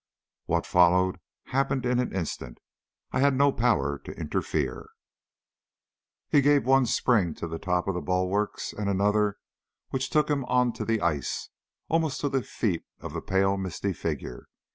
What followed happened in an instant. I had no power to interfere. He gave one spring to the top of the bulwarks, and another which took him on to the ice, almost to the feet of the pale misty figure.